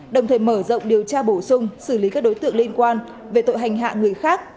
đồng thời mở rộng điều tra bổ sung xử lý các đối tượng liên quan về tội hành hạ người khác